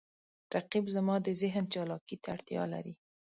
رقیب زما د ذهن چالاکي ته اړتیا لري